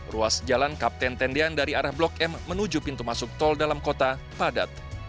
ruas jalan kapten tendian dari arah blok m menuju pintu masuk tol dalam kota padat